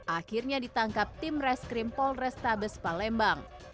akhirnya ditangkap tim reskrim polrestabes palembang